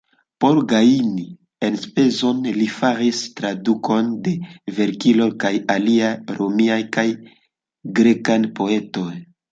Por gajni enspezon li faris tradukojn de Vergilio kaj aliaj romiaj kaj grekaj poetoj.